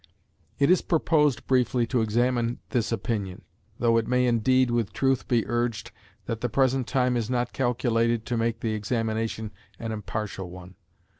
It is proposed briefly to examine this opinion, though it may, indeed, with truth be urged that the present time is not calculated to make the examination an impartial one.